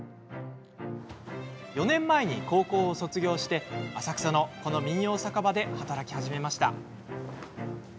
４年前、高校を卒業して浅草のこの民謡酒場で働き始めました。